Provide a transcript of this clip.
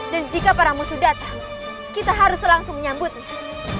dan jika para musuh datang kita harus langsung menyambutnya